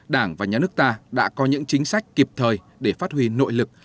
đảng và nhà nước ta đã có những chính sách kịp thời để phát huy nội lực